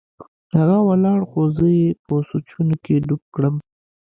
هغه ولاړ خو زه يې په سوچونو کښې ډوب کړم.